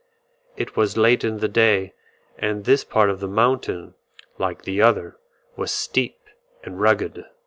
It was late in the day, and this part of the mountain, like the other, was steep and rugged.